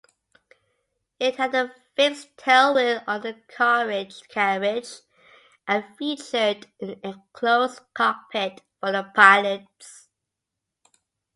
It had a fixed tailwheel undercarriage and featured an enclosed cockpit for the pilots.